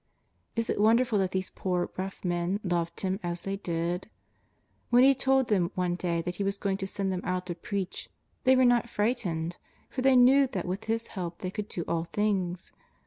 Is it wonderful that these poor, rough men loved Him as they did ? When He told them one day that He was going to send them out to preach, they were not frightened, for they knew that with His help they could do all things.